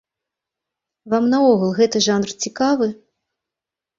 Вам наогул гэты жанр цікавы?